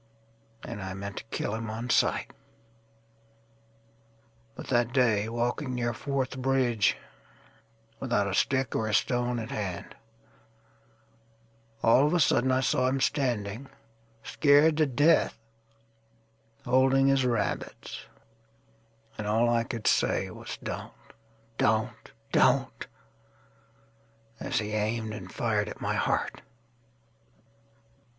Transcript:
And I meant to kill him on sight. But that day, walking near Fourth Bridge, Without a stick or a stone at hand, All of a sudden I saw him standing, Scared to death, holding his rabbits, And all I could say was, "Don't, Don't, Don't,"As he aimed and fired at my heart.